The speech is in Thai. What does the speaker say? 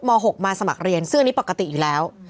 ม๖มาสมัครเรียนซึ่งอันนี้ปกติอยู่แล้ว